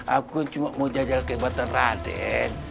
aku cuma mau jajalkan batar adik